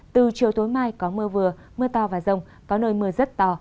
từ chiều tối mai có mưa vừa mưa to và rông có nơi mưa rất to